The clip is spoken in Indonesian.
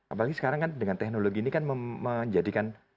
apalagi sekarang kan dengan teknologi ini kan menjadikan